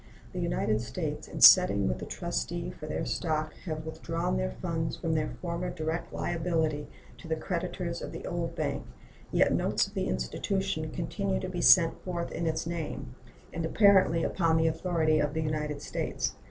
The United States in settling with the trustee for their stock have withdrawn their funds from their former direct liability to the creditors of the old bank, yet notes of the institution continue to be sent forth in its name, and apparently upon the authority of the United States.